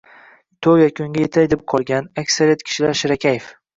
Toʻy yakuniga yetay deb qolgan, aksariyat kishilar shirakayf